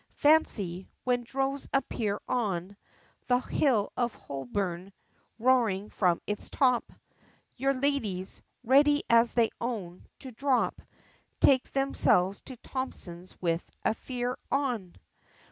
Fancy, when droves appear on The hill of Holborn, roaring from its top, Your ladies ready, as they own, to drop, Taking themselves to Thomson's with a _Fear on!